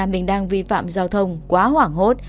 mình đang vi phạm giao thông quá hoảng hốt